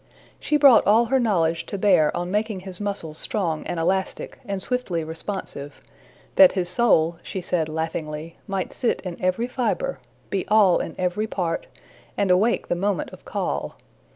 She brought all her knowledge to bear on making his muscles strong and elastic and swiftly responsive that his soul, she said laughingly, might sit in every fibre, be all in every part, and awake the moment of call.